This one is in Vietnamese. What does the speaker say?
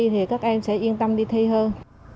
thì các em sẽ yên tâm đi thi hơn